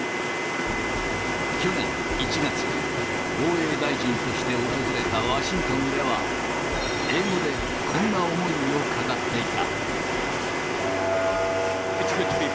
去年１月、防衛大臣として訪れたワシントンでは、英語でこんな思いを語っていた。